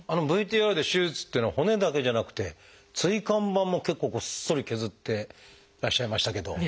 ＶＴＲで手術っていうのは骨だけじゃなくて椎間板も結構ごっそり削ってらっしゃいましたけど。